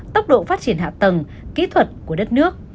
tốc độ phát triển hạ tầng kỹ thuật của đất nước